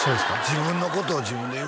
自分のことを自分で言う